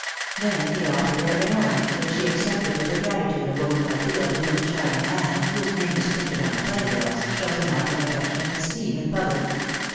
Then he offered her an orange, which she accepted with the gratitude a woman might feel to whom a charming man, whose name is printed on the play bills, shows a mark of affectionate esteem in public.